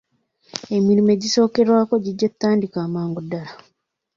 Emirimu egisookerwako gijja kutandika amangu ddaala.